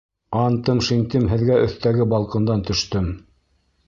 Антым-шинтем, һеҙгә өҫтәге балкондан төштөм.